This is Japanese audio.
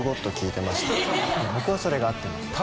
僕はそれが合ってました。